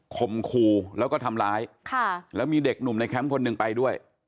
คมคู่แล้วก็ทำร้ายแล้วมีเด็กหนุ่มในแคมป์คนหนึ่งไปด้วย